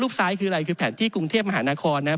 ซ้ายคืออะไรคือแผนที่กรุงเทพมหานครนะครับ